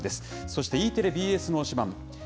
そしてＥテレ、ＢＳの推しバン！